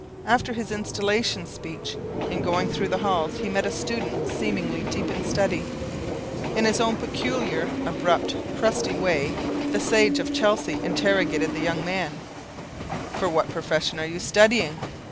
After his installation speech, in going through the halls, he met a student seemingly deep in study. In his own peculiar, abrupt, crusty way the Sage of Chelsea interrogated the young man: "For what profession are you studying?"